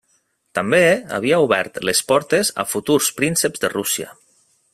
També, havia obert les portes a futurs prínceps de Rússia.